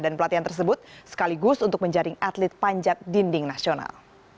dan pelatihan tersebut sekaligus untuk menjaring atlet panjat dinding nasional